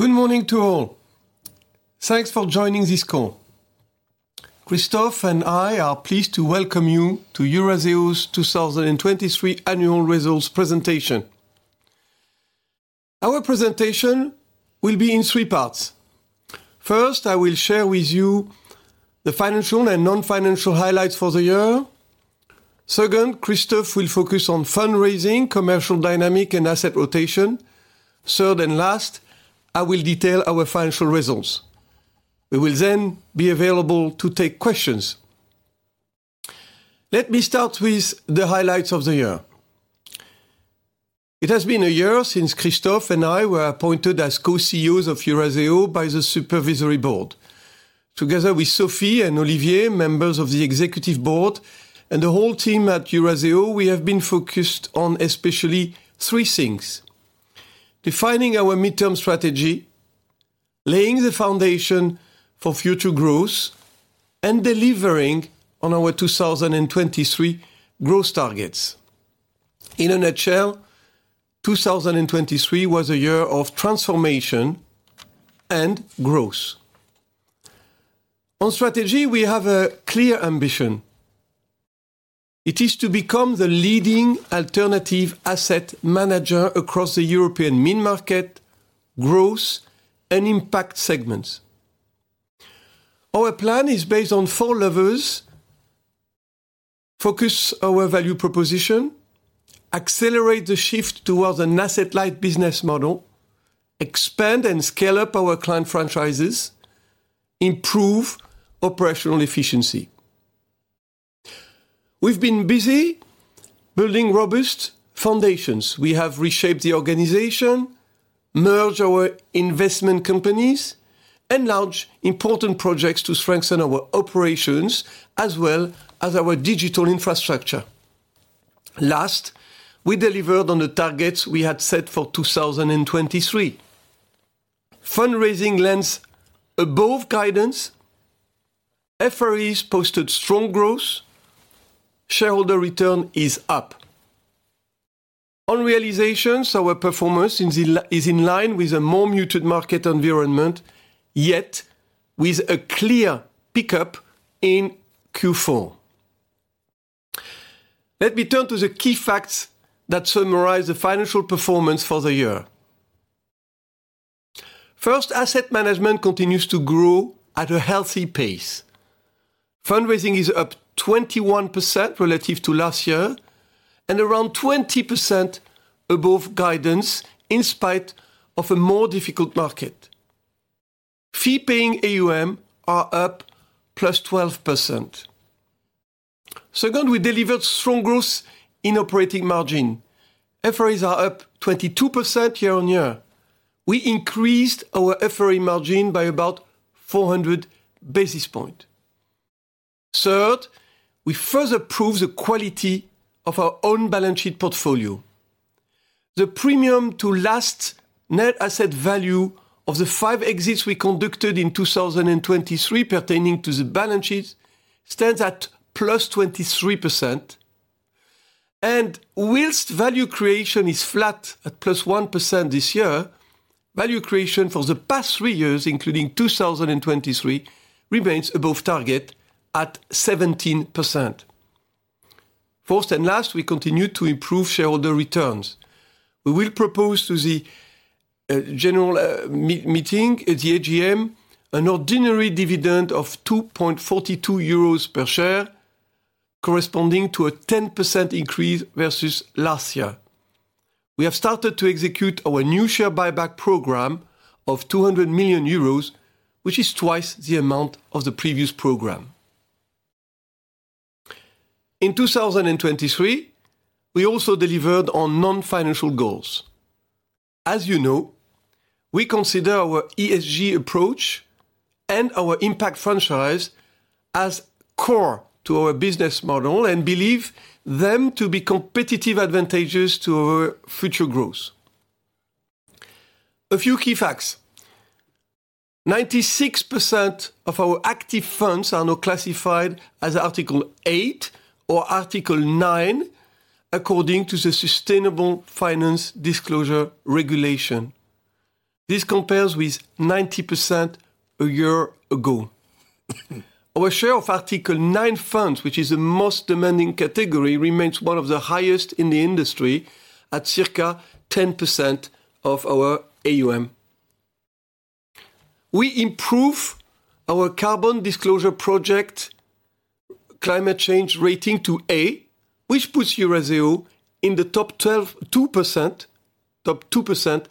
Good morning to all. Thanks for joining this call. Christophe and I are pleased to welcome you to Eurazeo's 2023 annual results presentation. Our presentation will be in three parts. First, I will share with you the financial and non-financial highlights for the year. Second, Christophe will focus on fundraising, commercial dynamic, and asset rotation. Third and last, I will detail our financial results. We will then be available to take questions. Let me start with the highlights of the year. It has been a year since Christophe and I were appointed as co-CEOs of Eurazeo by the Supervisory Board. Together with Sophie and Olivier, members of the Executive Board and the whole team at Eurazeo, we have been focused on especially three things: defining our midterm strategy, laying the foundation for future growth, and delivering on our 2023 growth targets. In a nutshell, 2023 was a year of transformation and growth. On strategy, we have a clear ambition. It is to become the leading alternative asset manager across the European mid-market, growth, and impact segments. Our plan is based on four levels: focus our value proposition, accelerate the shift towards an asset-light business model, expand and scale up our client franchises, and improve operational efficiency. We've been busy building robust foundations. We have reshaped the organization, merged our investment companies, and launched important projects to strengthen our operations as well as our digital infrastructure. Last, we delivered on the targets we had set for 2023. Fundraising lands above guidance. FREs posted strong growth. Shareholder return is up. On realizations, our performance is in line with a more muted market environment, yet with a clear pickup in Q4. Let me turn to the key facts that summarize the financial performance for the year. First, asset management continues to grow at a healthy pace. Fundraising is up 21% relative to last year and around 20% above guidance in spite of a more difficult market. Fee-paying AUM are up plus 12%. Second, we delivered strong growth in operating margin. FREs are up 22% year-on-year. We increased our FRE margin by about 400 basis points. Third, we further proved the quality of our own balance sheet portfolio. The premium to last net asset value of the 5 exits we conducted in 2023 pertaining to the balance sheet stands at plus 23%. And while value creation is flat at plus 1% this year, value creation for the past 3 years, including 2023, remains above target at 17%. Fourth and last, we continue to improve shareholder returns. We will propose to the general meeting, the AGM, an ordinary dividend of 2.42 euros per share, corresponding to a 10% increase versus last year. We have started to execute our new share buyback program of 200 million euros, which is twice the amount of the previous program. In 2023, we also delivered on non-financial goals. As you know, we consider our ESG approach and our impact franchise as core to our business model and believe them to be competitive advantages to our future growth. A few key facts. 96% of our active funds are now classified as Article 8 or Article 9 according to the Sustainable Finance Disclosure Regulation. This compares with 90% a year ago. Our share of Article 9 funds, which is the most demanding category, remains one of the highest in the industry at circa 10% of our AUM. We improve our Carbon Disclosure Project Climate Change rating to A, which puts Eurazeo in the top 2%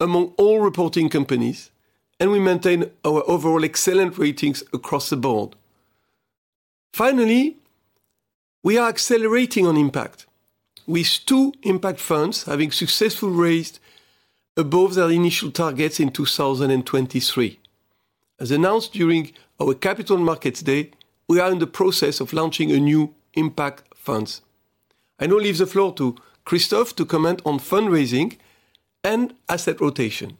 among all reporting companies, and we maintain our overall excellent ratings across the board. Finally, we are accelerating on impact with two impact funds having successfully raised above their initial targets in 2023. As announced during our Capital Markets Day, we are in the process of launching a new impact fund. I now leave the floor to Christophe to comment on fundraising and asset rotation.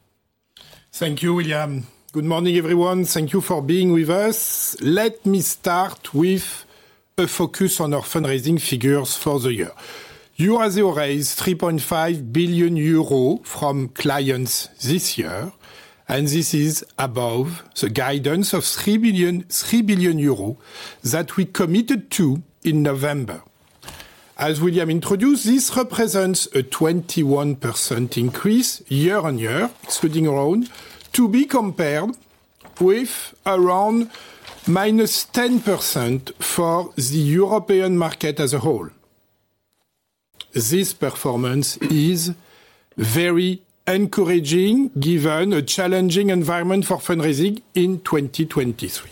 Thank you, William. Good morning, everyone. Thank you for being with us. Let me start with a focus on our fundraising figures for the year. Eurazeo raised 3.5 billion euro from clients this year, and this is above the guidance of 3 billion euros that we committed to in November. As William introduced, this represents a 21% increase year on year, excluding our own, to be compared with around -10% for the European market as a whole. This performance is very encouraging given a challenging environment for fundraising in 2023.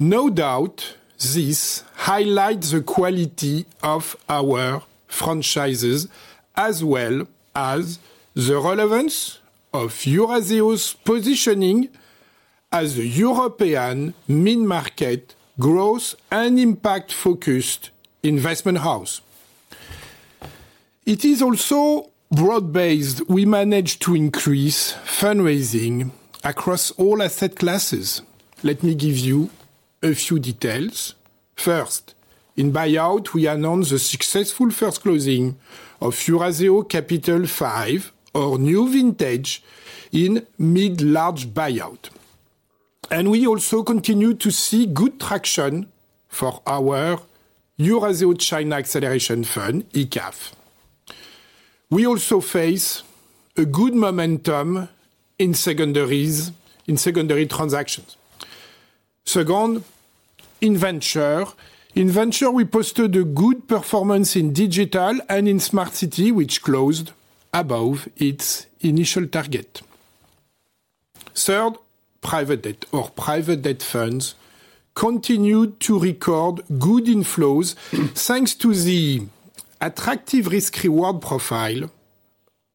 No doubt, this highlights the quality of our franchises as well as the relevance of Eurazeo's positioning as a European mid-market growth and impact-focused investment house. It is also broad-based. We managed to increase fundraising across all asset classes. Let me give you a few details. First, in buyout, we announced the successful first closing of Eurazeo Capital V, our new vintage, in mid-large buyout. We also continue to see good traction for our Eurazeo China Acceleration Fund, ECAF. We also face a good momentum in secondary transactions. Second, in venture, we posted a good performance in digital and in Smart City, which closed above its initial target. Third, private debt or private debt funds continued to record good inflows thanks to the attractive risk-reward profile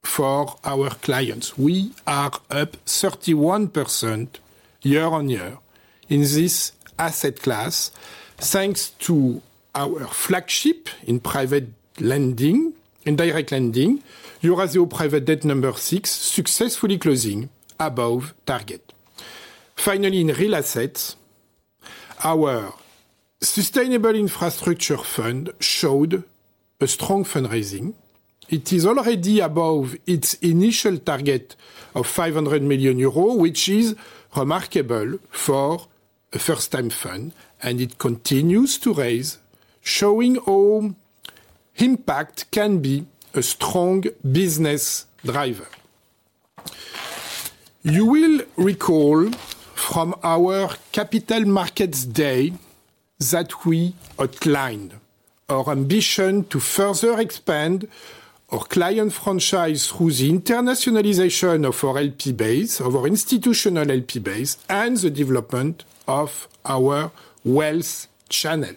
for our clients. We are up 31% year-on-year in this asset class thanks to our flagship in private lending and direct lending, Eurazeo Private Debt number six, successfully closing above target. Finally, in real assets, our Sustainable Infrastructure Fund showed a strong fundraising. It is already above its initial target of 500 million euro, which is remarkable for a first-time fund, and it continues to raise, showing how impact can be a strong business driver. You will recall from our Capital Markets Day that we outlined our ambition to further expand our client franchise through the internationalization of our LP base, of our institutional LP base, and the development of our wealth channel.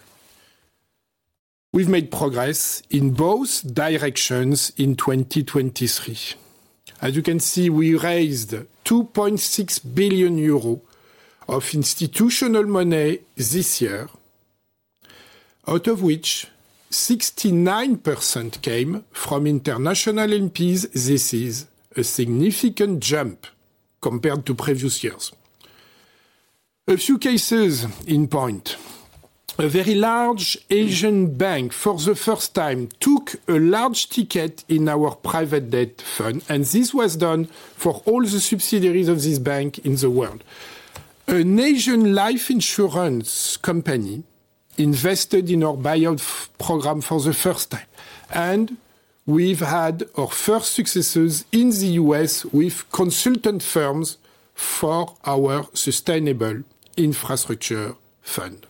We've made progress in both directions in 2023. As you can see, we raised 2.6 billion euros of institutional money this year, out of which 69% came from international LPs. This is a significant jump compared to previous years. A few cases in point. A very large Asian bank, for the first time, took a large ticket in our private debt fund, and this was done for all the subsidiaries of this bank in the world. An Asian life insurance company invested in our buyout program for the first time, and we've had our first successes in the U.S. with consultant firms for our Sustainable Infrastructure Fund.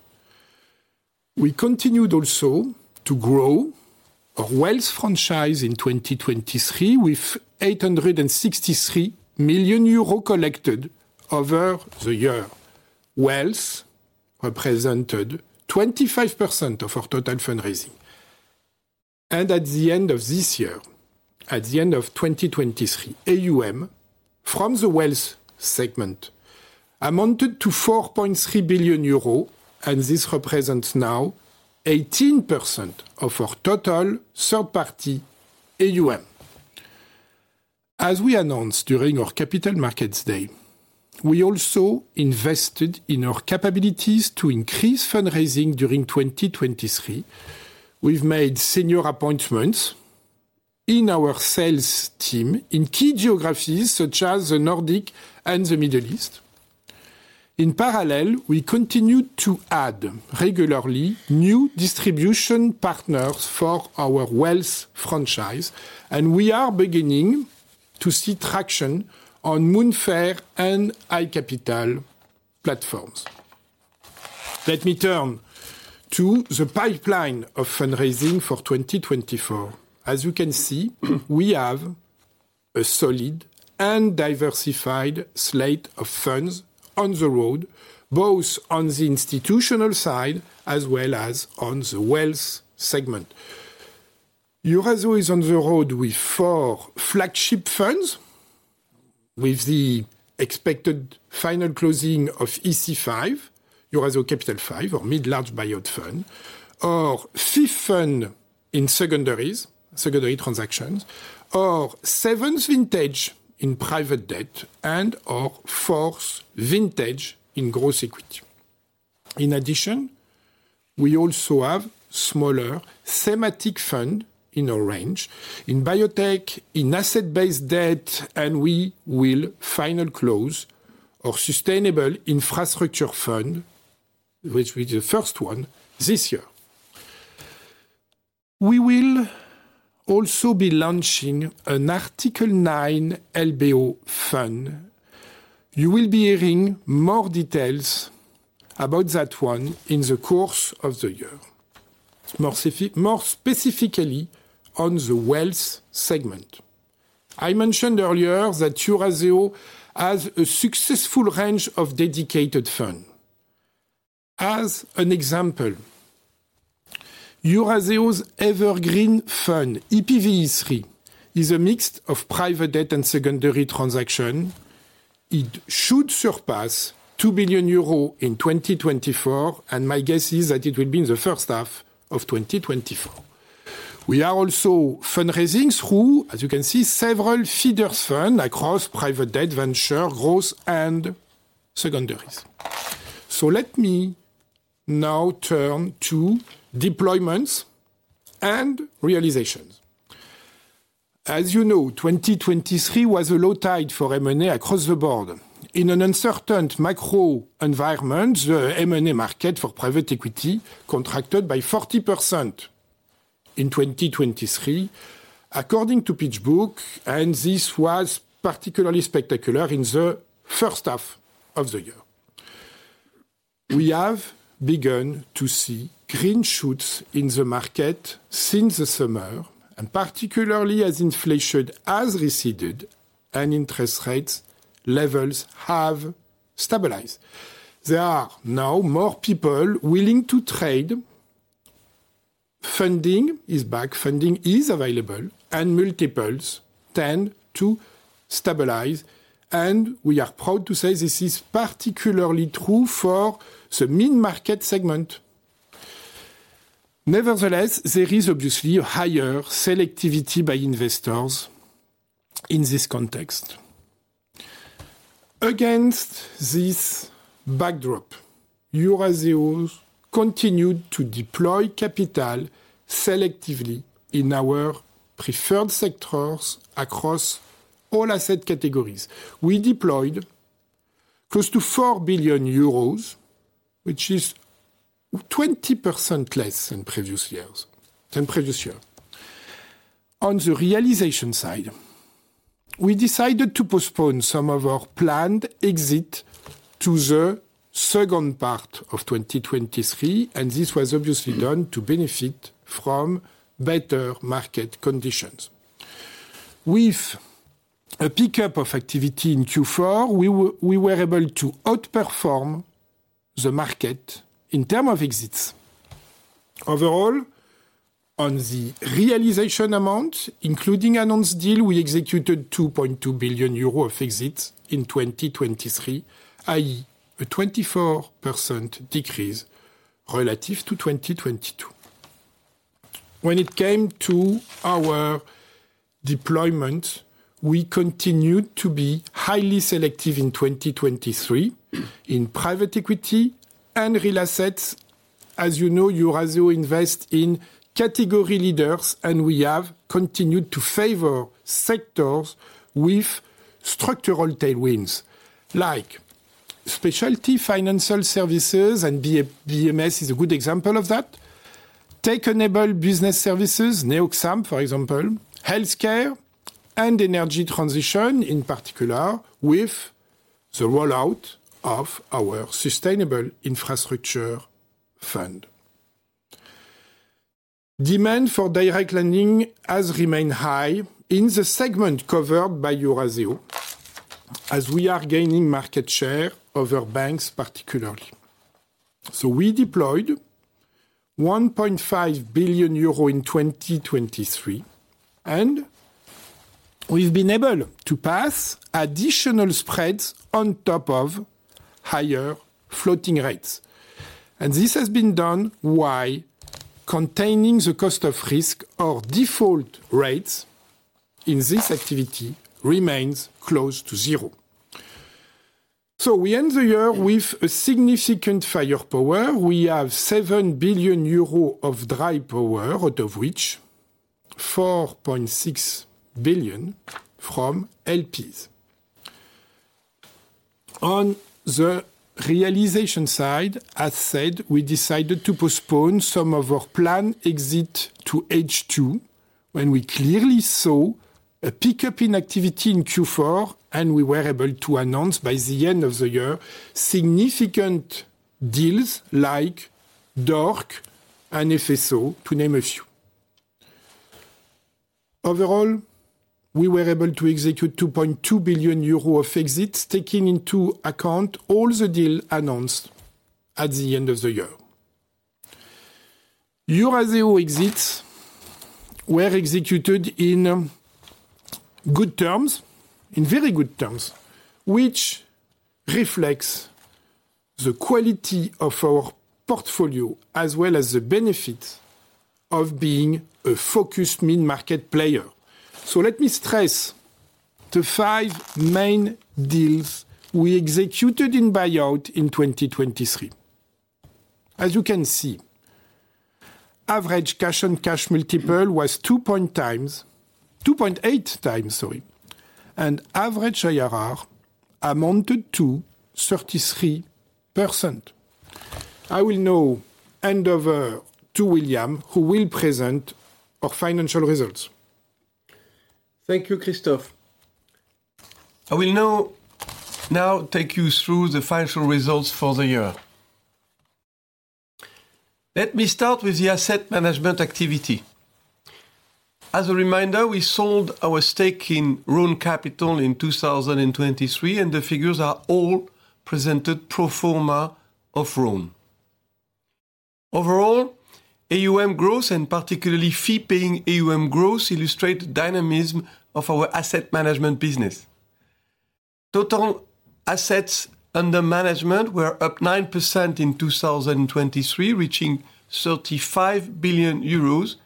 We continued also to grow our wealth franchise in 2023 with 863 million euro collected over the year. Wealth represented 25% of our total fundraising. At the end of this year, at the end of 2023, AUM from the wealth segment amounted to 4.3 billion euro, and this represents now 18% of our total third-party AUM. As we announced during our Capital Markets Day, we also invested in our capabilities to increase fundraising during 2023. We've made senior appointments in our sales team in key geographies such as the Nordics and the Middle East. In parallel, we continue to add regularly new distribution partners for our wealth franchise, and we are beginning to see traction on Moonfare and iCapital platforms. Let me turn to the pipeline of fundraising for 2024. As you can see, we have a solid and diversified slate of funds on the road, both on the institutional side as well as on the wealth segment. Eurazeo is on the road with 4 flagship funds, with the expected final closing of EC5, Eurazeo Capital V, our mid-large buyout fund, our 5th fund in secondaries, secondary transactions, our 7th vintage in private debt, and our 4th vintage in growth equity. In addition, we also have a smaller thematic fund in our range, in biotech, in asset-based debt, and we will final close our Sustainable Infrastructure Fund, which will be the 1st one this year. We will also be launching an Article 9 LBO fund. You will be hearing more details about that one in the course of the year, more specifically on the wealth segment. I mentioned earlier that Eurazeo has a successful range of dedicated funds. As an example, Eurazeo's evergreen fund, EPV3, is a mix of private debt and secondary transactions. It should surpass 2 billion euros in 2024, and my guess is that it will be in the first half of 2024. We are also fundraising through, as you can see, several feeder funds across private debt, venture, growth, and secondaries. So let me now turn to deployments and realizations. As you know, 2023 was a low tide for M&A across the board. In an uncertain macro environment, the M&A market for private equity contracted by 40% in 2023, according to PitchBook, and this was particularly spectacular in the first half of the year. We have begun to see green shoots in the market since the summer, and particularly as inflation has receded and interest rate levels have stabilized. There are now more people willing to trade. Funding is back, funding is available, and multiples tend to stabilize, and we are proud to say this is particularly true for the mid-market segment. Nevertheless, there is obviously higher selectivity by investors in this context. Against this backdrop, Eurazeo continued to deploy capital selectively in our preferred sectors across all asset categories. We deployed close to 4 billion euros, which is 20% less than previous years than previous year. On the realization side, we decided to postpone some of our planned exits to the second part of 2023, and this was obviously done to benefit from better market conditions. With a pickup of activity in Q4, we were able to outperform the market in terms of exits. Overall, on the realization amount, including announced deal, we executed 2.2 billion euro of exits in 2023, i.e., a 24% decrease relative to 2022. When it came to our deployment, we continued to be highly selective in 2023 in private equity and real assets. As you know, Eurazeo invests in category leaders, and we have continued to favor sectors with structural tailwinds, like specialty financial services, and BMS is a good example of that. Technical business services, NeoXam, for example, healthcare and energy transition in particular, with the rollout of our Sustainable Infrastructure Fund. Demand for direct lending has remained high in the segment covered by Eurazeo, as we are gaining market share over banks particularly. We deployed 1.5 billion euro in 2023, and we've been able to pass additional spreads on top of higher floating rates. This has been done while containing the cost of risk or default rates in this activity remains close to zero. We end the year with a significant firepower. We have 7 billion euros of dry powder, out of which 4.6 billion from LPs. On the realization side, as said, we decided to postpone some of our planned exits to H2 when we clearly saw a pickup in activity in Q4, and we were able to announce by the end of the year significant deals like D.O.R.C. and EFESO, to name a few. Overall, we were able to execute 2.2 billion euro of exits, taking into account all the deals announced at the end of the year. Eurazeo exits were executed in good terms, in very good terms, which reflects the quality of our portfolio as well as the benefit of being a focused mid-market player. So let me stress the five main deals we executed in buyout in 2023. As you can see, average cash-on-cash multiple was 2.8x, sorry, and average IRR amounted to 33%. I will now hand over to William, who will present our financial results. Thank you, Christophe. I will now take you through the financial results for the year. Let me start with the asset management activity. As a reminder, we sold our stake in Rhône Capital in 2023, and the figures are all presented pro forma of Rhône. Overall, AUM growth, and particularly fee-paying AUM growth, illustrate the dynamism of our asset management business. Total assets under management were up 9% in 2023, reaching 35 billion euros.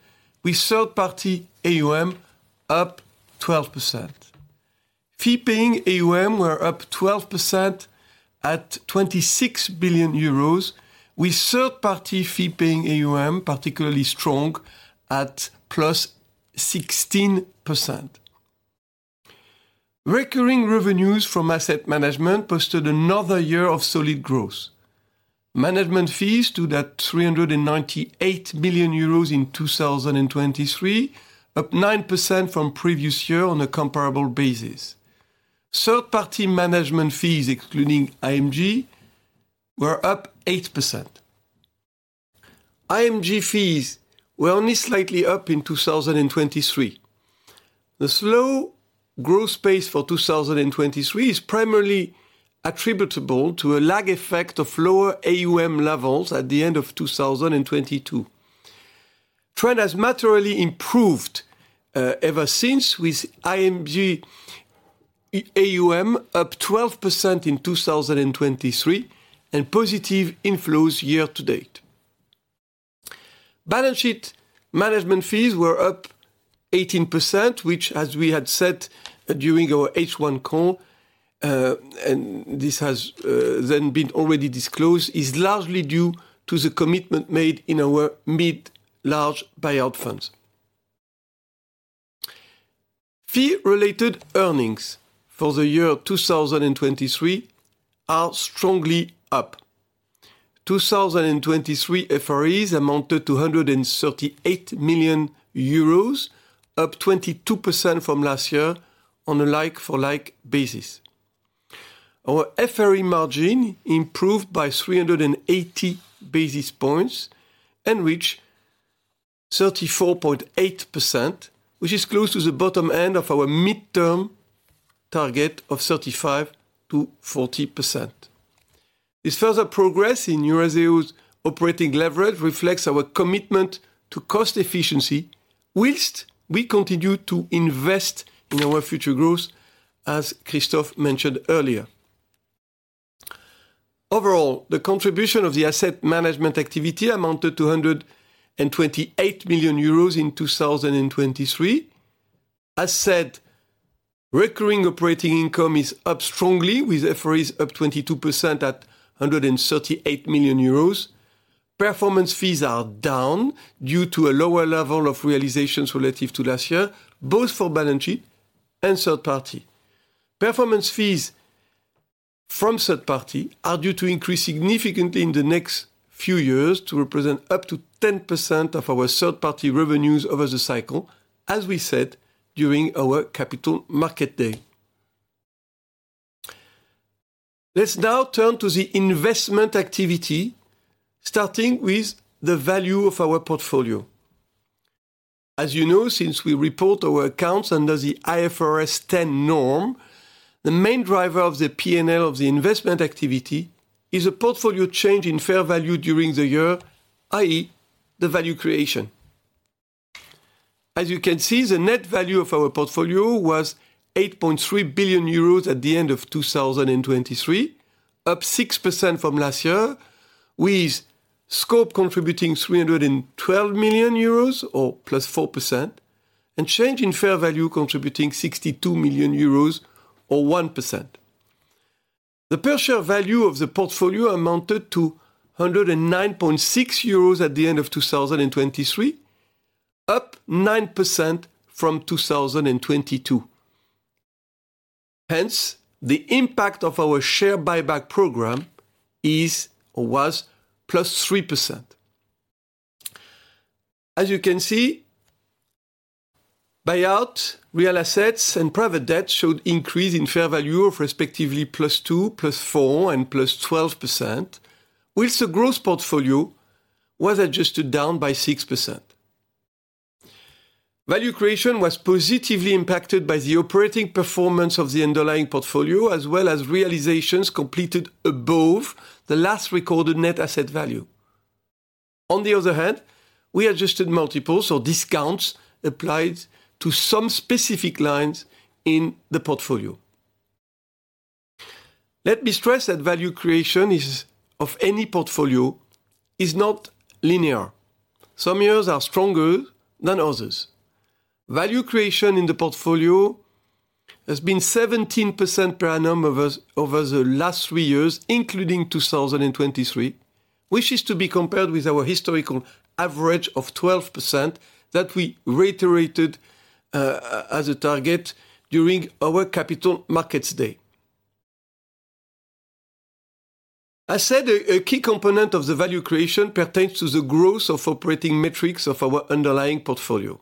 With third-party AUM up 12%, fee-paying AUM were up 12% at 26 billion euros. With third-party fee-paying AUM particularly strong at +16%, recurring revenues from asset management posted another year of solid growth. Management fees to that 398 million euros in 2023, up 9% from previous year on a comparable basis. Third-party management fees, excluding iM Global Partner, were up 8%. iM Global Partner fees were only slightly up in 2023. The slow growth pace for 2023 is primarily attributable to a lag effect of lower AUM levels at the end of 2022. Trend has materially improved ever since, with iM Global Partner AUM up 12% in 2023 and positive inflows year to date. Balance sheet management fees were up 18%, which, as we had said during our H1 call, and this has then been already disclosed, is largely due to the commitment made in our mid-large buyout funds. Fee-related earnings for the year 2023 are strongly up. 2023 FREs amounted to 138 million euros, up 22% from last year on a like-for-like basis. Our FRE margin improved by 380 basis points and reached 34.8%, which is close to the bottom end of our mid-term target of 35%-40%. This further progress in Eurazeo's operating leverage reflects our commitment to cost efficiency, while we continue to invest in our future growth, as Christophe mentioned earlier. Overall, the contribution of the asset management activity amounted to 128 million euros in 2023. As said, recurring operating income is up strongly, with FREs up 22% at 138 million euros. Performance fees are down due to a lower level of realizations relative to last year, both for balance sheet and third-party. Performance fees from third-party are due to increase significantly in the next few years to represent up to 10% of our third-party revenues over the cycle, as we said during our Capital Market Day. Let's now turn to the investment activity, starting with the value of our portfolio. As you know, since we report our accounts under the IFRS 10 norm, the main driver of the P&L of the investment activity is a portfolio change in fair value during the year, i.e., the value creation. As you can see, the net value of our portfolio was 8.3 billion euros at the end of 2023, up 6% from last year, with scope contributing 312 million euros or +4%, and change in fair value contributing 62 million euros or 1%. The per share value of the portfolio amounted to 109.6 euros at the end of 2023, up 9% from 2022. Hence, the impact of our share buyback program is or was +3%. As you can see, buyout, real assets, and private debt showed increase in fair value of respectively +2%, +4%, and +12%, while the growth portfolio was adjusted down by -6%. Value creation was positively impacted by the operating performance of the underlying portfolio, as well as realizations completed above the last recorded net asset value. On the other hand, we adjusted multiples or discounts applied to some specific lines in the portfolio. Let me stress that value creation of any portfolio is not linear. Some years are stronger than others. Value creation in the portfolio has been 17% per annum over the last three years, including 2023, which is to be compared with our historical average of 12% that we reiterated as a target during our Capital Markets Day. As said, a key component of the value creation pertains to the growth of operating metrics of our underlying portfolio.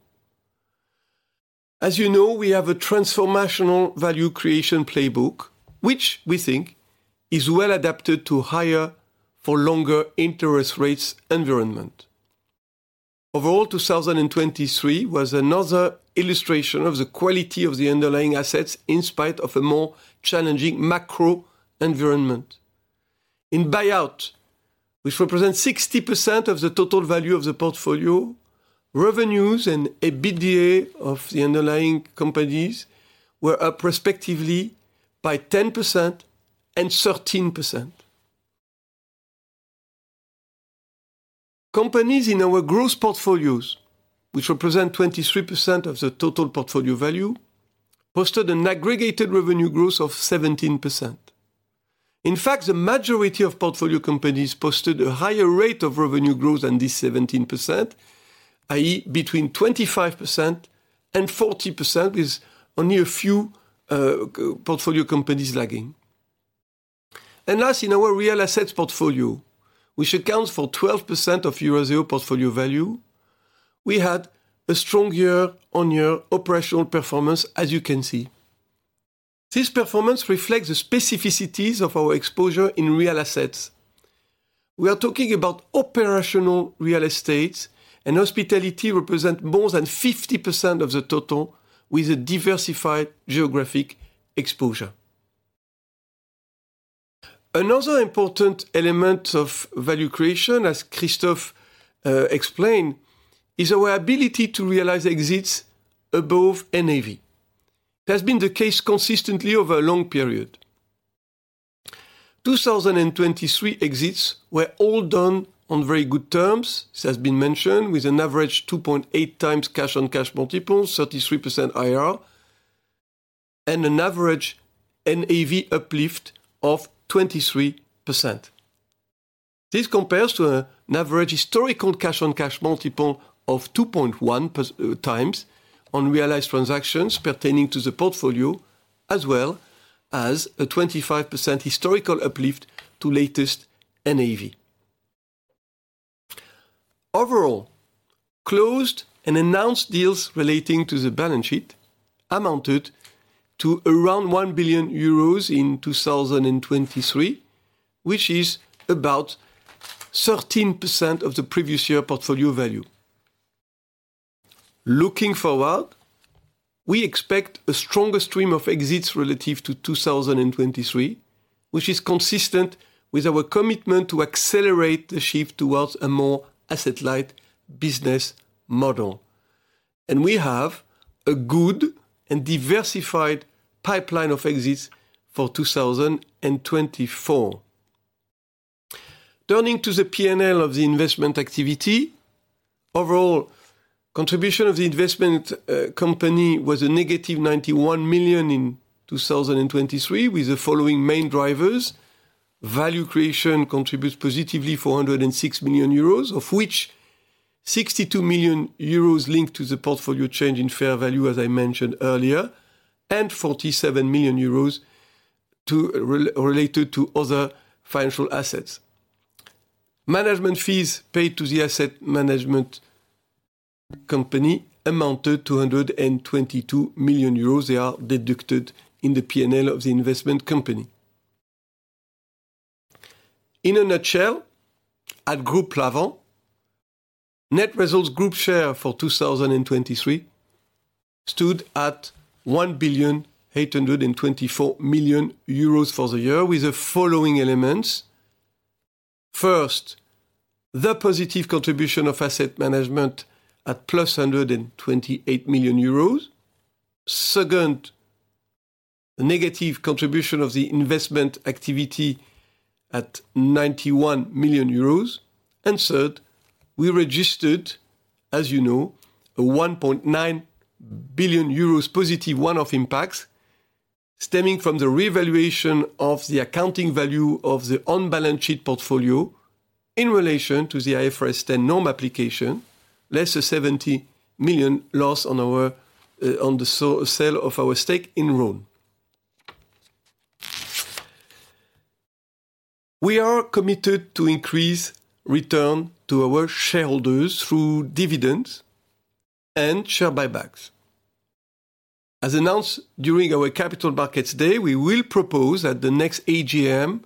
As you know, we have a transformational value creation playbook, which we think is well adapted to higher for longer interest rates environment. Overall, 2023 was another illustration of the quality of the underlying assets in spite of a more challenging macro environment. In buyout, which represents 60% of the total value of the portfolio, revenues and EBITDA of the underlying companies were up respectively by 10% and 13%. Companies in our growth portfolios, which represent 23% of the total portfolio value, posted an aggregated revenue growth of 17%. In fact, the majority of portfolio companies posted a higher rate of revenue growth than this 17%, i.e., between 25% and 40%, with only a few portfolio companies lagging. And last, in our real assets portfolio, which accounts for 12% of Eurazeo portfolio value, we had a strong year-on-year operational performance, as you can see. This performance reflects the specificities of our exposure in real assets. We are talking about operational real estates, and hospitality represents more than 50% of the total, with a diversified geographic exposure. Another important element of value creation, as Christophe explained, is our ability to realize exits above NAV. It has been the case consistently over a long period. 2023 exits were all done on very good terms, as has been mentioned, with an average 2.8x cash-on-cash multiple, 33% IRR, and an average NAV uplift of 23%. This compares to an average historical cash-on-cash multiple of 2.1x on realized transactions pertaining to the portfolio, as well as a 25% historical uplift to latest NAV. Overall, closed and announced deals relating to the balance sheet amounted to around 1 billion euros in 2023, which is about 13% of the previous year portfolio value. Looking forward, we expect a stronger stream of exits relative to 2023, which is consistent with our commitment to accelerate the shift towards a more asset-light business model. We have a good and diversified pipeline of exits for 2024. Turning to the P&L of the investment activity, overall contribution of the investment company was a negative 91 million in 2023, with the following main drivers: value creation contributes positively 406 million euros, of which 62 million euros linked to the portfolio change in fair value, as I mentioned earlier, and 47 million euros related to other financial assets. Management fees paid to the asset management company amounted to 122 million euros. They are deducted in the P&L of the investment company. In a nutshell, at Eurazeo, net results group share for 2023 stood at 1.824 billion for the year, with the following elements: first, the positive contribution of asset management at +128 million euros; second, a negative contribution of the investment activity at -91 million euros; and third, we registered, as you know, a 1.9 billion euros positive one-off impact stemming from the revaluation of the accounting value of the on-balance sheet portfolio in relation to the IFRS 10 norm application, less 70 million loss on the sale of our stake in Rhône. We are committed to increase returns to our shareholders through dividends and share buybacks. As announced during our Capital Markets Day, we will propose at the next AGM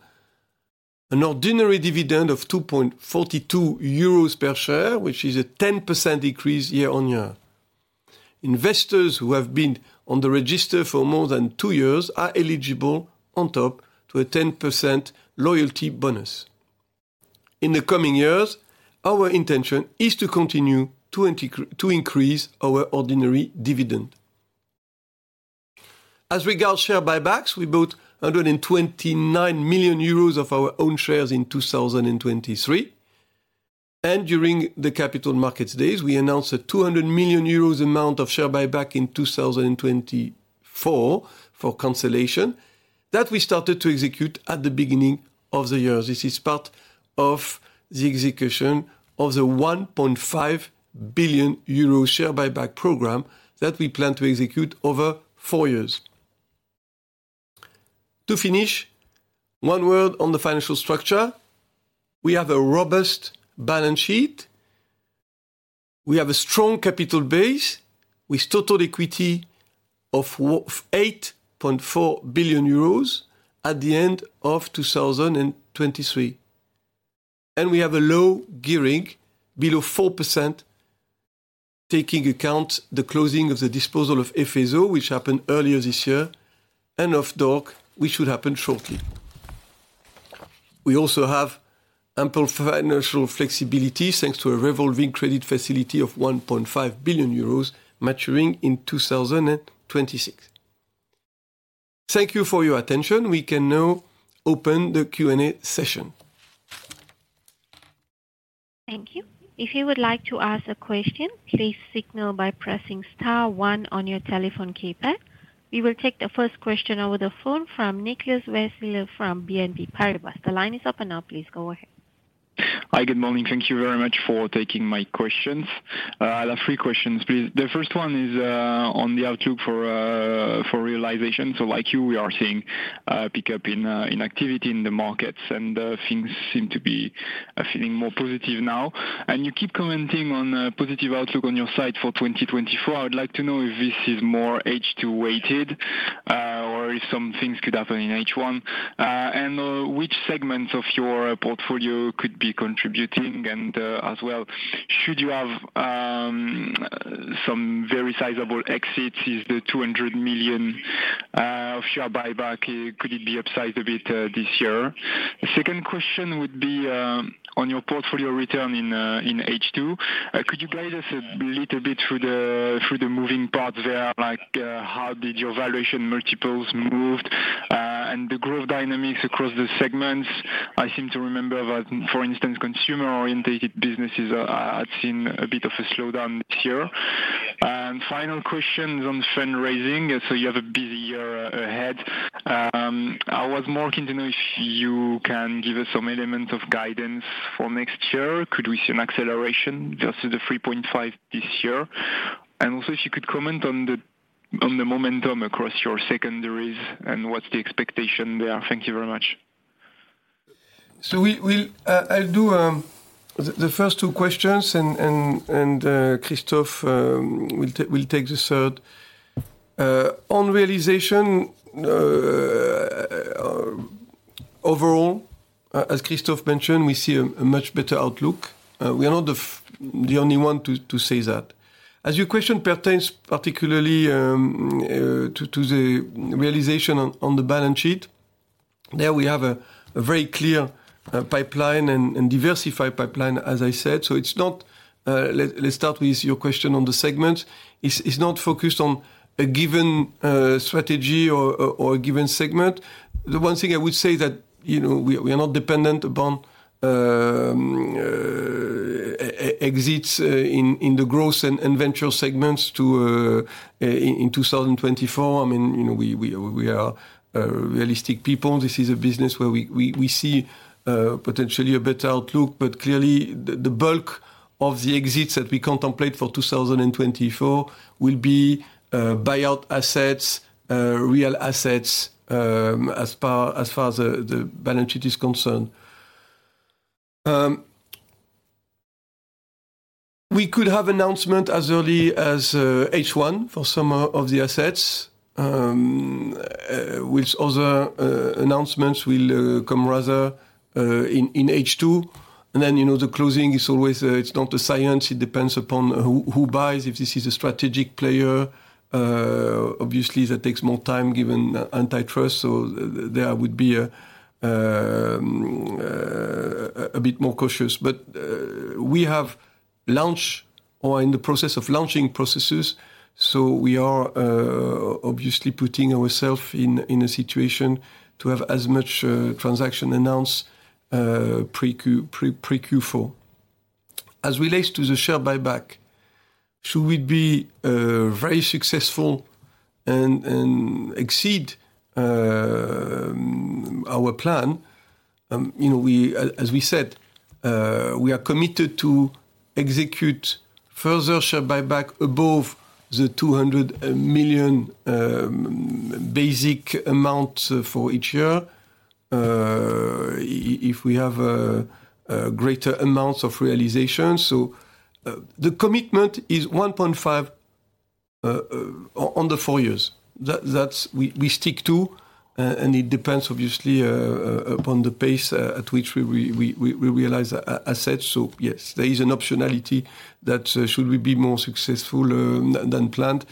an ordinary dividend of 2.42 euros per share, which is a 10% decrease year-on-year. Investors who have been on the register for more than two years are eligible, on top, to a 10% loyalty bonus. In the coming years, our intention is to continue to increase our ordinary dividend. As regards share buybacks, we bought 129 million euros of our own shares in 2023, and during the Capital Markets Days, we announced a 200 million euros amount of share buyback in 2024 for cancellation that we started to execute at the beginning of the year. This is part of the execution of the 1.5 billion euro share buyback program that we plan to execute over four years. To finish, one word on the financial structure: we have a robust balance sheet. We have a strong capital base with total equity of 8.4 billion euros at the end of 2023. And we have a low gearing below 4%, taking account the closing of the disposal of EFESO, which happened earlier this year, and D.O.R.C., which should happen shortly. We also have ample financial flexibility thanks to a revolving credit facility of 1.5 billion euros maturing in 2026. Thank you for your attention. We can now open the Q&A session. Thank you. If you would like to ask a question, please signal by pressing star one on your telephone keypad. We will take the first question over the phone from Nicolas Wylenzek from BNP Paribas. The line is open now. Please go ahead. Hi. Good morning. Thank you very much for taking my questions. I have three questions, please. The first one is on the outlook for realization. So, like you, we are seeing a pickup in activity in the markets, and things seem to be feeling more positive now. You keep commenting on a positive outlook on your side for 2024. I would like to know if this is more H2-weighted or if some things could happen in H1 and which segments of your portfolio could be contributing. And as well, should you have some very sizable exits? Is the 200 million of share buyback, could it be upsized a bit this year? The second question would be on your portfolio return in H2. Could you guide us a little bit through the moving parts there? How did your valuation multiples move and the growth dynamics across the segments? I seem to remember that, for instance, consumer-oriented businesses had seen a bit of a slowdown this year. Final question is on fundraising. You have a busy year ahead. I was more keen to know if you can give us some elements of guidance for next year. Could we see an acceleration versus the 3.5 this year? And also, if you could comment on the momentum across your secondaries and what's the expectation there? Thank you very much. So I'll do the first two questions, and Christophe will take the third. On realization, overall, as Christophe mentioned, we see a much better outlook. We are not the only one to say that. As your question pertains particularly to the realization on the balance sheet, there we have a very clear pipeline and diversified pipeline, as I said. So let's start with your question on the segments. It's not focused on a given strategy or a given segment. The one thing I would say is that we are not dependent upon exits in the growth and venture segments in 2024. I mean, we are realistic people. This is a business where we see potentially a better outlook. But clearly, the bulk of the exits that we contemplate for 2024 will be buyout assets, real assets, as far as the balance sheet is concerned. We could have announcements as early as H1 for some of the assets, while other announcements will come rather in H2. Then the closing is always; it's not a science. It depends upon who buys. If this is a strategic player, obviously, that takes more time given antitrust. So there I would be a bit more cautious. But we have launched or are in the process of launching processes. So we are obviously putting ourselves in a situation to have as much transaction announced pre-Q4. As relates to the share buyback, should we be very successful and exceed our plan? As we said, we are committed to execute further share buyback above the 200 million basic amount for each year if we have greater amounts of realization. So the commitment is 1.5 on the four years. We stick to, and it depends, obviously, upon the pace at which we realize assets. So yes, there is an optionality that should we be more successful than planned,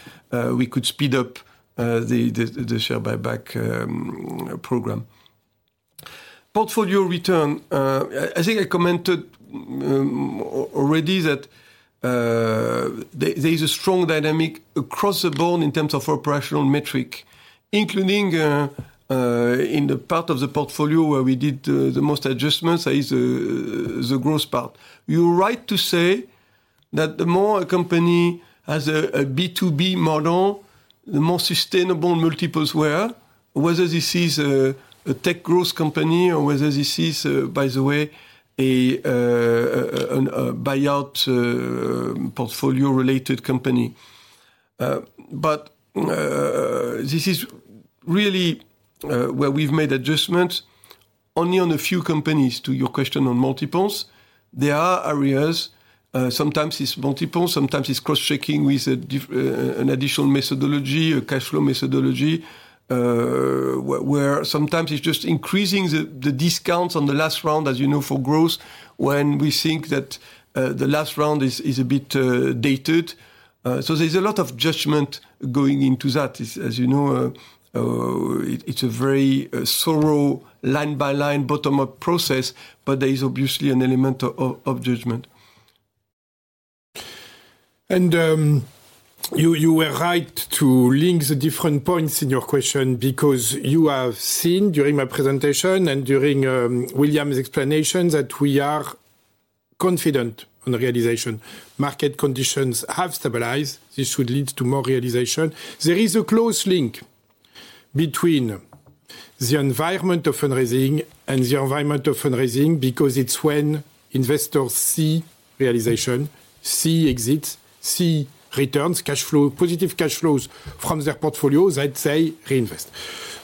we could speed up the share buyback program. Portfolio return, I think I commented already that there is a strong dynamic across the board in terms of operational metric, including in the part of the portfolio where we did the most adjustments, that is the growth part. You're right to say that the more a company has a B2B model, the more sustainable multiples were, whether this is a tech growth company or whether this is, by the way, a buyout portfolio-related company. But this is really where we've made adjustments only on a few companies. To your question on multiples, there are areas. Sometimes it's multiples. Sometimes it's cross-checking with an additional methodology, a cash flow methodology, where sometimes it's just increasing the discounts on the last round, as you know, for growth when we think that the last round is a bit dated. So there's a lot of judgment going into that. As you know, it's a very thorough line-by-line bottom-up process, but there is obviously an element of judgment. You were right to link the different points in your question because you have seen during my presentation and during William's explanation that we are confident on realization. Market conditions have stabilized. This should lead to more realization. There is a close link between the environment of fundraising and the environment of fundraising because it's when investors see realization, see exits, see returns, positive cash flows from their portfolios, they say reinvest.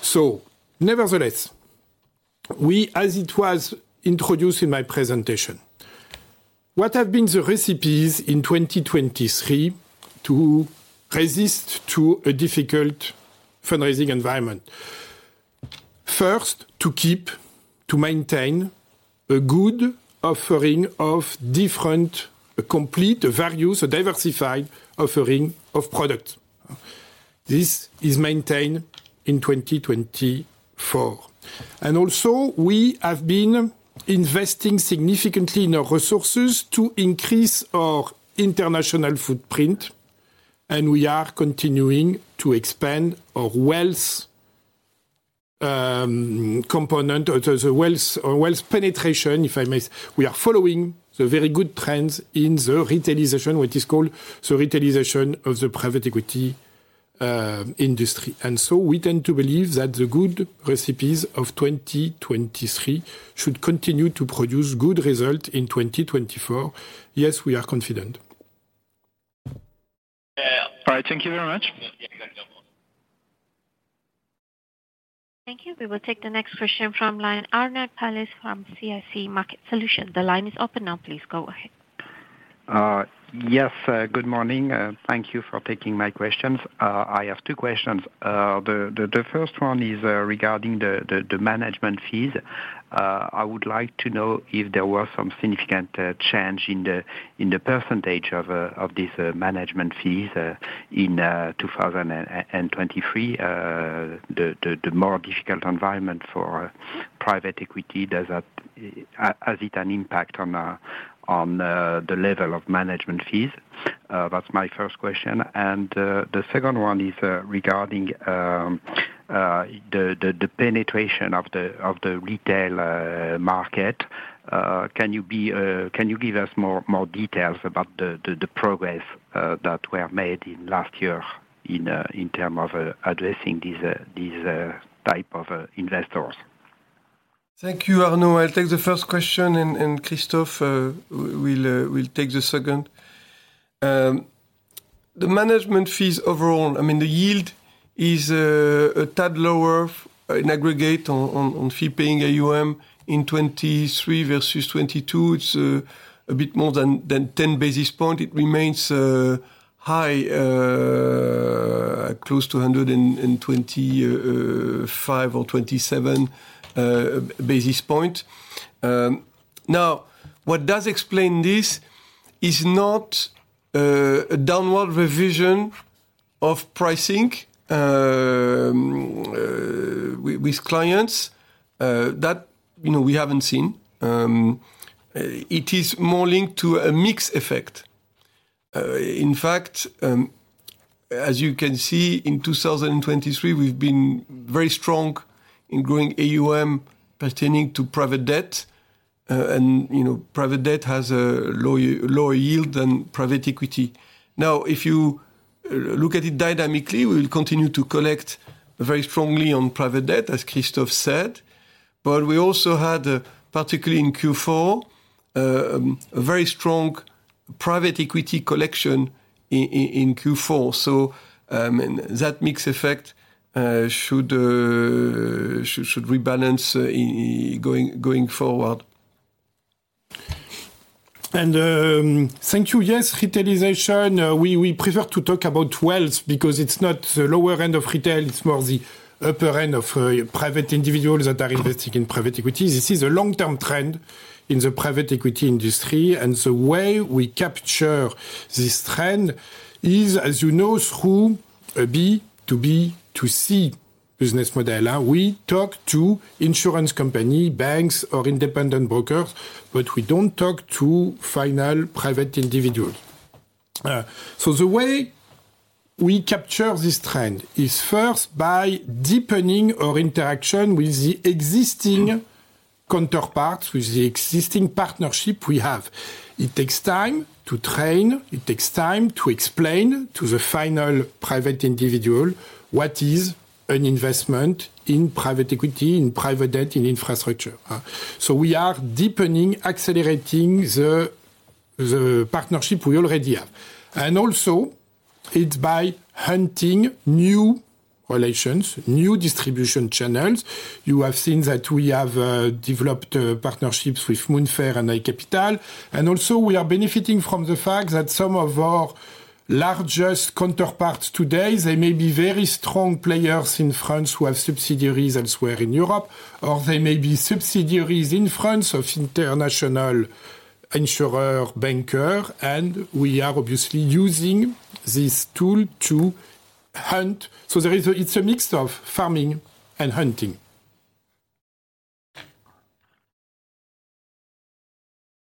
So nevertheless, as it was introduced in my presentation, what have been the recipes in 2023 to resist a difficult fundraising environment? First, to keep, to maintain a good offering of different, complete, various, diversified offering of products. This is maintained in 2024. Also, we have been investing significantly in our resources to increase our international footprint, and we are continuing to expand our wealth component, the wealth penetration, if I may say. We are following the very good trends in the retailization, what is called the retailization of the private equity industry. So we tend to believe that the good recipes of 2023 should continue to produce good results in 2024. Yes, we are confident. All right. Thank you very much. Thank you. We will take the next question from Arnaud Palliez from CIC Market Solutions. The line is open now. Please go ahead. Yes. Good morning. Thank you for taking my questions. I have two questions. The first one is regarding the management fees. I would like to know if there were some significant change in the percentage of these management fees in 2023. The more difficult environment for private equity, does it have an impact on the level of management fees? That's my first question. The second one is regarding the penetration of the retail market. Can you give us more details about the progress that were made last year in terms of addressing these types of investors? Thank you, Arnaud. I'll take the first question, and Christophe will take the second. The management fees overall, I mean, the yield is a tad lower in aggregate on fee-paying AUM in 2023 versus 2022. It's a bit more than 10 basis points. It remains high, close to 125 or 127 basis points. Now, what does explain this is not a downward revision of pricing with clients that we haven't seen. It is more linked to a mixed effect. In fact, as you can see, in 2023, we've been very strong in growing AUM pertaining to private debt. And private debt has a lower yield than private equity. Now, if you look at it dynamically, we will continue to collect very strongly on private debt, as Christophe said. But we also had, particularly in Q4, a very strong private equity collection in Q4. So that mixed effect should rebalance going forward. Thank you. Yes, retailization. We prefer to talk about wealth because it's not the lower end of retail. It's more the upper end of private individuals that are investing in private equities. This is a long-term trend in the private equity industry. And the way we capture this trend is, as you know, through a B2B2C business model. We talk to insurance companies, banks, or independent brokers, but we don't talk to final private individuals. So the way we capture this trend is first by deepening our interaction with the existing counterparts, with the existing partnership we have. It takes time to train. It takes time to explain to the final private individual what is an investment in private equity, in private debt, in infrastructure. So we are deepening, accelerating the partnership we already have. And also, it's by hunting new relations, new distribution channels. You have seen that we have developed partnerships with Moonfare and iCapital. And also, we are benefiting from the fact that some of our largest counterparts today, they may be very strong players in France who have subsidiaries elsewhere in Europe, or they may be subsidiaries in France of international insurers, bankers. And we are obviously using this tool to hunt. So it's a mix of farming and hunting.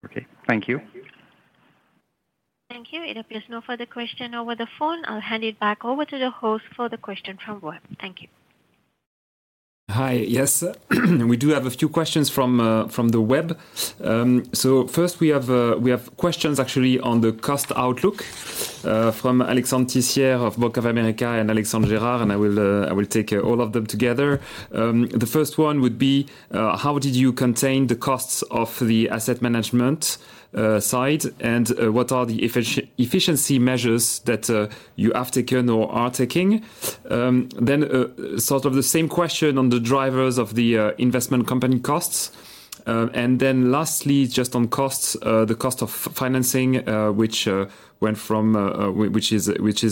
Okay. Thank you. Thank you. It appears no further question over the phone. I'll hand it back over to the host for the question from web. Thank you. Hi. Yes. We do have a few questions from the web. So first, we have questions, actually, on the cost outlook from Alexandre Tissier of Bank of America and Alexandre Gérard. And I will take all of them together. The first one would be, how did you contain the costs of the asset management side, and what are the efficiency measures that you have taken or are taking? Then sort of the same question on the drivers of the investment company costs. And then lastly, just on costs, the cost of financing, which is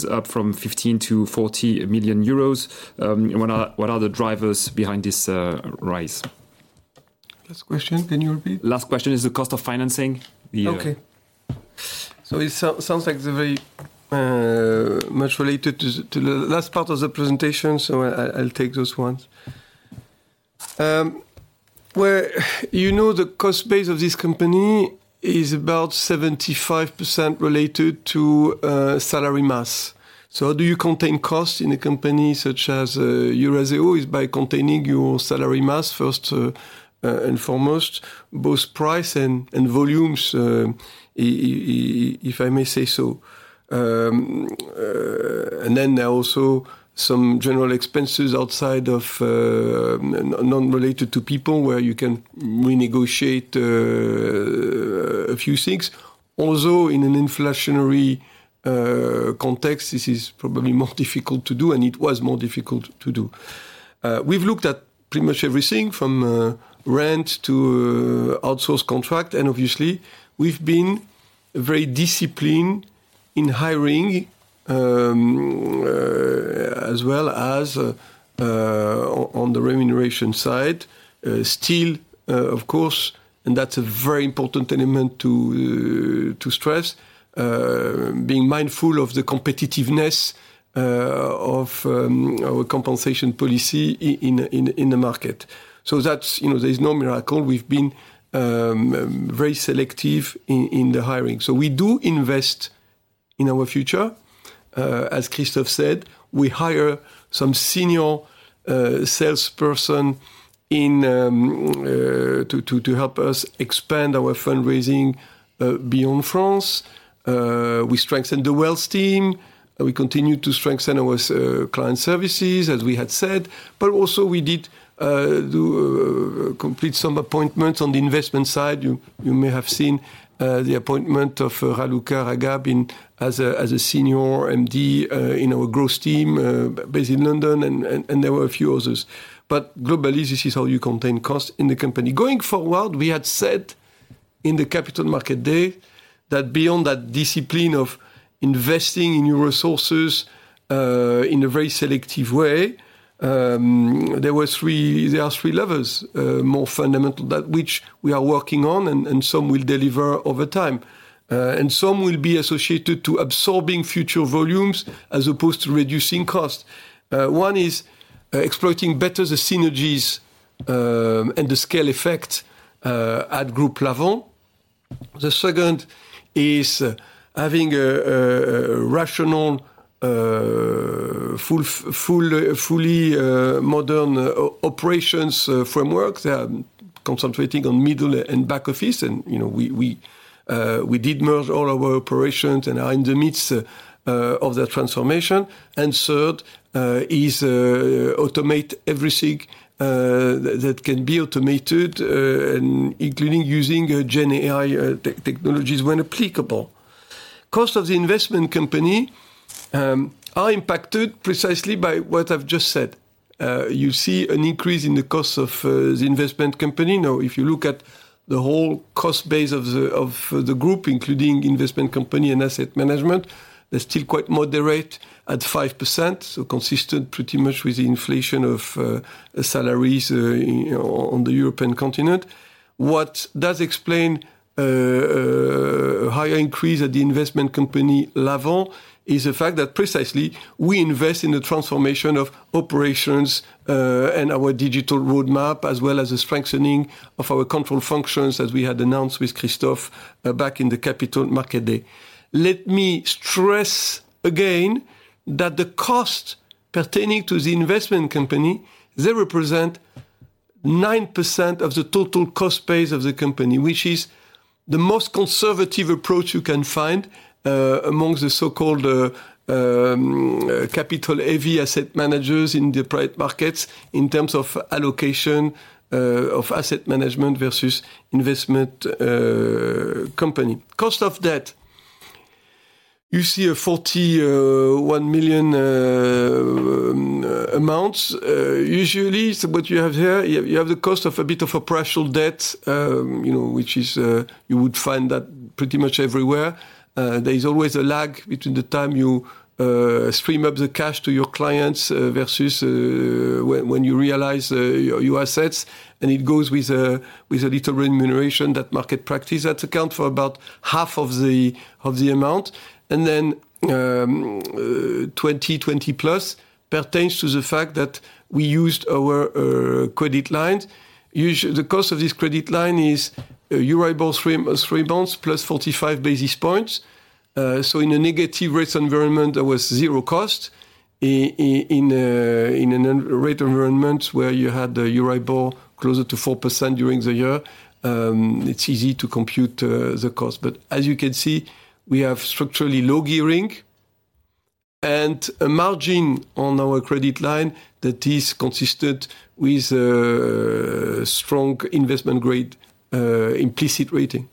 up from 15 million to 40 million euros. What are the drivers behind this rise? Last question. Can you repeat? Last question is the cost of financing. Okay. So it sounds like it's very much related to the last part of the presentation. So I'll take those ones. You know the cost base of this company is about 75% related to salary mass. So how do you contain costs in a company such as Eurazeo? It's by containing your salary mass, first and foremost, both price and volumes, if I may say so. And then there are also some general expenses outside of, not related to people, where you can renegotiate a few things. Also, in an inflationary context, this is probably more difficult to do, and it was more difficult to do. We've looked at pretty much everything from rent to outsourcing contracts. And obviously, we've been very disciplined in hiring as well as on the remuneration side. Still, of course, and that's a very important element to stress, being mindful of the competitiveness of our compensation policy in the market. So there's no miracle. We've been very selective in the hiring. So we do invest in our future. As Christophe said, we hire some senior salesperson to help us expand our fundraising beyond France. We strengthen the wealth team. We continue to strengthen our client services, as we had said. But also, we did complete some appointments on the investment side. You may have seen the appointment of Raluca Ragab as a senior MD in our growth team based in London. And there were a few others. But globally, this is how you contain costs in the company. Going forward, we had said in the Capital Markets Day that beyond that discipline of investing in your resources in a very selective way, there are three levels more fundamental which we are working on, and some will deliver over time. Some will be associated to absorbing future volumes as opposed to reducing costs. One is exploiting better the synergies and the scale effect at group level. The second is having rational, fully modern operations frameworks concentrating on middle and back office. We did merge all our operations and are in the midst of that transformation. Third is automate everything that can be automated, including using GenAI technologies when applicable. Costs of the investment company are impacted precisely by what I've just said. You see an increase in the costs of the investment company. Now, if you look at the whole cost base of the group, including investment company and asset management, they're still quite moderate at 5%, so consistent pretty much with the inflation of salaries on the European continent. What does explain a higher increase at the investment company level and is the fact that precisely we invest in the transformation of operations and our digital roadmap as well as the strengthening of our control functions, as we had announced with Christophe back in the Capital Market Day. Let me stress again that the costs pertaining to the investment company, they represent 9% of the total cost base of the company, which is the most conservative approach you can find amongst the so-called capital heavy asset managers in the private markets in terms of allocation of asset management versus investment company. Cost of debt, you see a 41 million amount. Usually, what you have here, you have the cost of a bit of a partial debt, which you would find that pretty much everywhere. There is always a lag between the time you stream up the cash to your clients versus when you realize your assets. And it goes with a little remuneration that market practice that account for about half of the amount. And then 20-20 plus pertains to the fact that we used our credit lines. The cost of this credit line is Euribor three months plus 45 basis points. So in a negative rate environment, there was 0 cost. In a rate environment where you had the Euribor closer to 4% during the year, it's easy to compute the cost. But as you can see, we have structurally low gearing and a margin on our credit line that is consistent with a strong investment-grade implicit rating.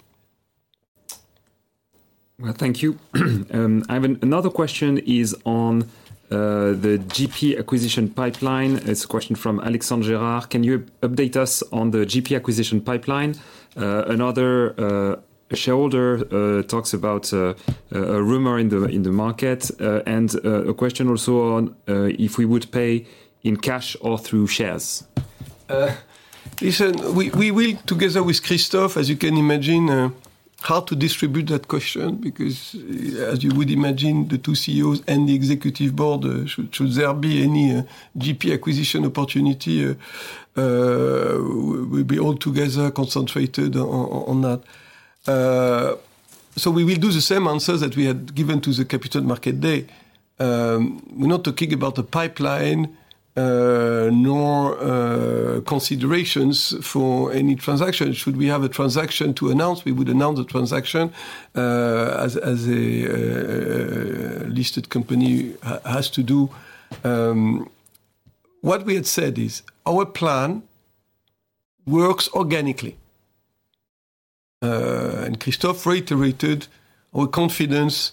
Well, thank you. Ivan, another question is on the GP acquisition pipeline. It's a question from Alexandre Gérard. Can you update us on the GP acquisition pipeline? Another shareholder talks about a rumor in the market and a question also on if we would pay in cash or through shares. Listen, we will, together with Christophe, as you can imagine, hard to distribute that question because, as you would imagine, the two CEOs and the Executive Board, should there be any GP acquisition opportunity, we'll be all together concentrated on that. So we will do the same answers that we had given to the Capital Market Day. We're not talking about a pipeline nor considerations for any transaction. Should we have a transaction to announce, we would announce the transaction as a listed company has to do. What we had said is our plan works organically. And Christophe reiterated our confidence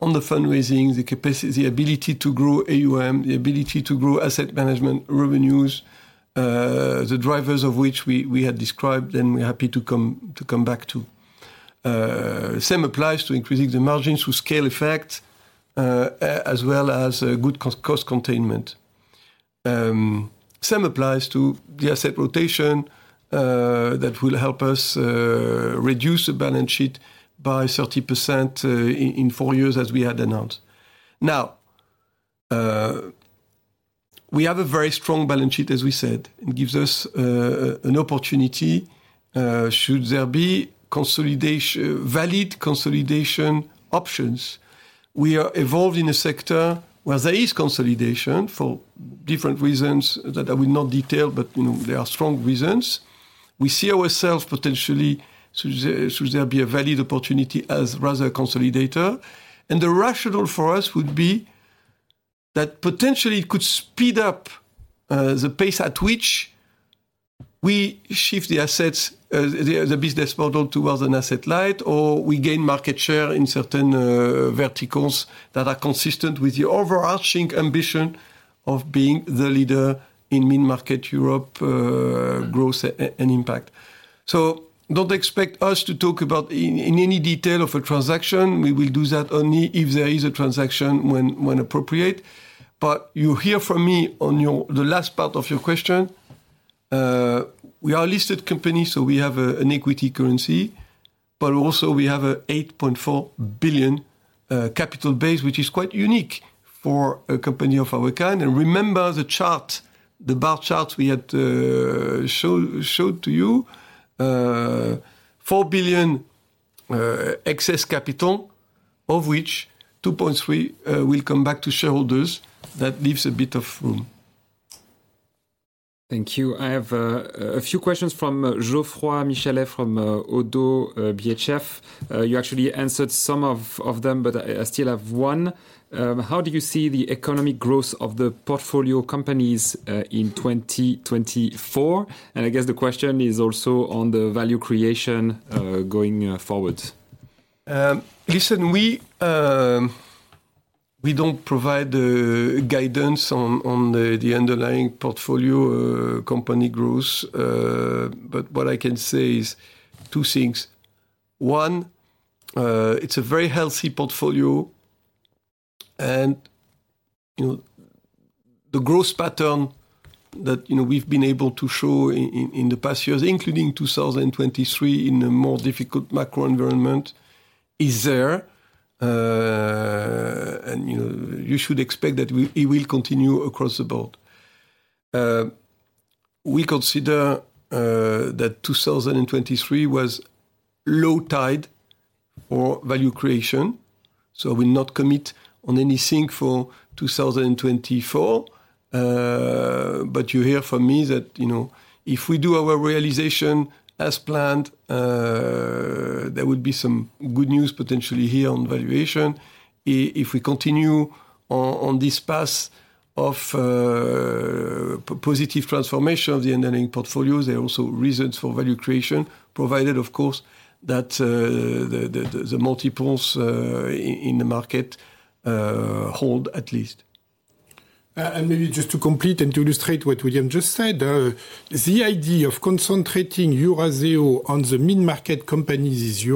on the fundraising, the ability to grow AUM, the ability to grow asset management revenues, the drivers of which we had described and we're happy to come back to. Same applies to increasing the margins through scale effect as well as good cost containment. Same applies to the asset rotation that will help us reduce the balance sheet by 30% in four years as we had announced. Now, we have a very strong balance sheet, as we said. It gives us an opportunity should there be valid consolidation options. We are evolving in a sector where there is consolidation for different reasons that I will not detail, but there are strong reasons. We see ourselves potentially, should there be a valid opportunity as rather a consolidator. And the rationale for us would be that potentially, it could speed up the pace at which we shift the assets, the business model, towards an asset light, or we gain market share in certain verticals that are consistent with the overarching ambition of being the leader in mid-market Europe growth and impact. So don't expect us to talk about in any detail of a transaction. We will do that only if there is a transaction when appropriate. But you hear from me on the last part of your question. We are a listed company, so we have an equity currency. But also, we have a 8.4 billion capital base, which is quite unique for a company of our kind. Remember the chart, the bar chart we had showed to you, 4 billion excess capital, of which 2.3 billion will come back to shareholders. That leaves a bit of room. Thank you. I have a few questions from Geoffroy Michalet from Oddo BHF. You actually answered some of them, but I still have one. How do you see the economic growth of the portfolio companies in 2024? And I guess the question is also on the value creation going forward. Listen, we don't provide guidance on the underlying portfolio company growth. What I can say is two things. One, it's a very healthy portfolio. The growth pattern that we've been able to show in the past years, including 2023 in a more difficult macro environment, is there. You should expect that it will continue across the board. We consider that 2023 was low tide for value creation. We'll not commit on anything for 2024. You hear from me that if we do our realization as planned, there would be some good news potentially here on valuation. If we continue on this path of positive transformation of the underlying portfolios, there are also reasons for value creation, provided, of course, that the multiples in the market hold at least. Maybe just to complete and to illustrate what William just said, the idea of concentrating Eurazeo on the mid-market companies in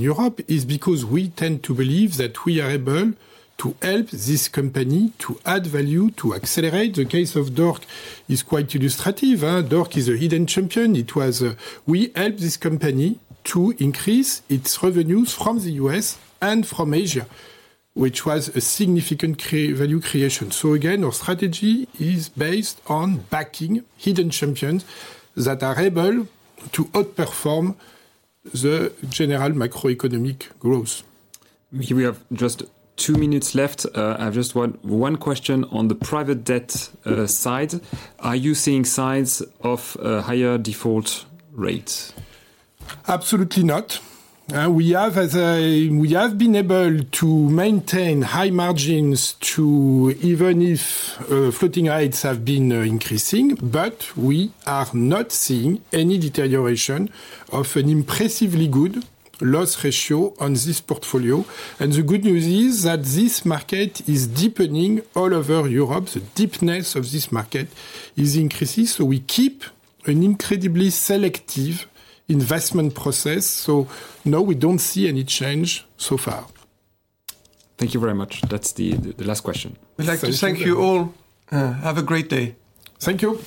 Europe is because we tend to believe that we are able to help this company to add value, to accelerate. The case of D.O.R.C. is quite illustrative. D.O.R.C. is a hidden champion. We help this company to increase its revenues from the U.S. and from Asia, which was a significant value creation. So again, our strategy is based on backing hidden champions that are able to outperform the general macroeconomic growth. We have just two minutes left. I have just one question on the private debt side. Are you seeing signs of higher default rates? Absolutely not. We have been able to maintain high margins even if floating rates have been increasing. We are not seeing any deterioration of an impressively good loss ratio on this portfolio. The good news is that this market is deepening all over Europe. The deepness of this market is increasing. We keep an incredibly selective investment process. No, we don't see any change so far. Thank you very much. That's the last question. I'd like to thank you all. Have a great day. Thank you.